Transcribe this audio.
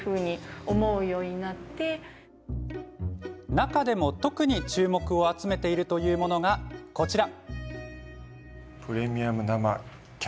中でも特に注目を集めているというものがこちら。